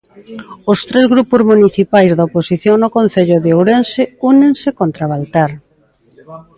Os tres grupos municipais da oposición no Concello de Ourense únense contra Baltar.